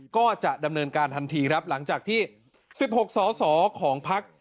ก็จะดำเนินการทันทีหลังจากที่๑๖สสของภาค